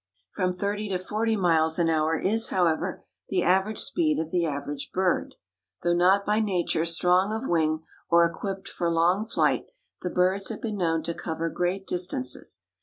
From thirty to forty miles an hour, is, however, the average speed of the average bird. Though not by nature strong of wing or equipped for long flight, the birds have been known to cover great distances.